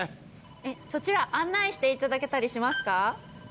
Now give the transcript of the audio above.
そちら案内して頂けたりしますか？